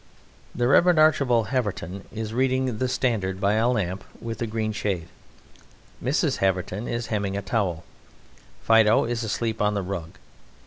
(The REV. ARCHIBALD HAVERTON is reading the "Standard" by a lamp with a green shade. MRS. HAVERTON is hemming a towel. FIDO _is asleep on the rug.